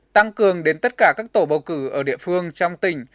tăng cường đến tất cả các tổ bầu cử ở địa phương trong tỉnh